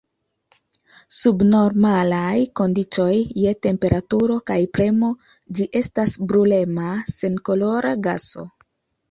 Sub normalaj kondiĉoj je temperaturo kaj premo ĝi estas brulema senkolora gaso.